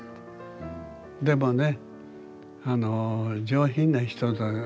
でもね」。